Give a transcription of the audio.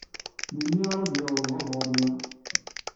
Melmi ara d-yaweḍ lbabuṛ-nni?